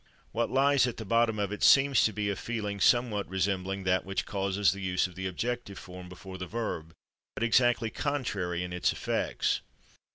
What lies at the bottom of it seems to be a feeling somewhat resembling that which causes the use of the objective form before the verb, but exactly contrary in its effects.